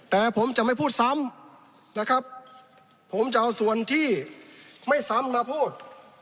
แต่ผมจะไม่พูดซ้ำนะครับผมจะเอาส่วนที่ไม่ซ้ำมาพูด